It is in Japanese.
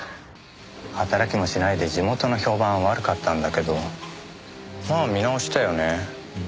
働きもしないで地元の評判は悪かったんだけどまあ見直したよね。